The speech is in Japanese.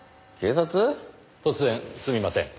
突然すみません。